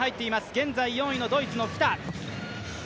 現在、４位のドイツのフィタ。